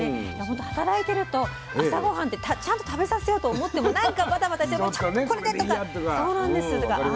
ほんと働いてると朝ごはんってちゃんと食べさせようと思ってもなんかバタバタして「これで」とか。